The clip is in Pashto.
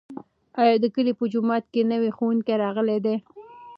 ایا د کلي په جومات کې نوی ښوونکی راغلی دی؟